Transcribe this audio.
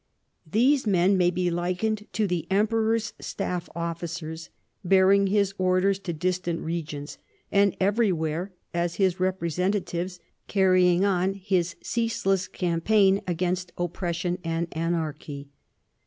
These men may be likened to the emperor's staff officers, bearing his orders to distant regions, and every where, as his representatives, carrying on his ceaseless campaign against oppression and anarchy.